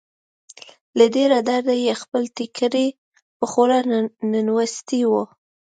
له ډېره درده يې خپل ټيکری په خوله ننوېستی و.